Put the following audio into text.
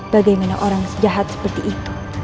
bagaimana orang sejahat seperti itu